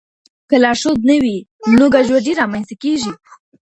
که لارښود نه وي نو ګډوډي رامنځته کېږي.